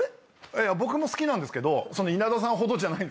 僕も好きなんですけど稲田さんほどじゃないんですけど。